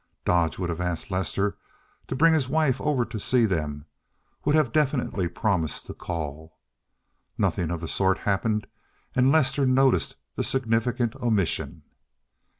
Dodge would have asked Lester to bring his wife over to see them, would have definitely promised to call. Nothing of the sort happened, and Lester noticed the significant omission.